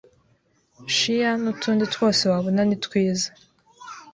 chia n’utundi twose wabona ni twiza